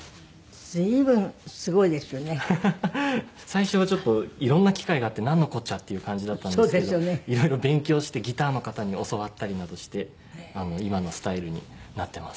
最初はちょっといろんな機械があってなんのこっちゃっていう感じだったんですけどいろいろ勉強してギターの方に教わったりなどして今のスタイルになってます。